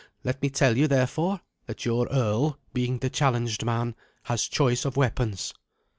Let me tell you, therefore, that your earl, being the challenged man, has choice of weapons.